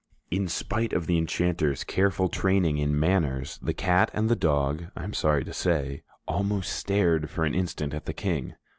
In spite of the enchanter's careful training in manners, the cat and the dog, I am sorry to say, almost stared for an instant at the King.